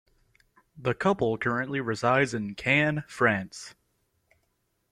The couple currently resides in Cannes, France.